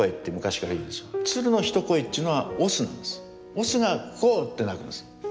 オスが「コウ」って鳴くんです。